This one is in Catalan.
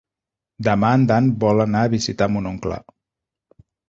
Demà en Dan vol anar a visitar mon oncle.